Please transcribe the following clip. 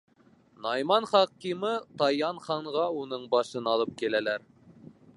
Найман хакимы Таян ханға уның башын алып киләләр.